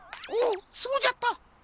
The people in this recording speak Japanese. おおそうじゃった。